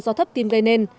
do thấp tim gây nên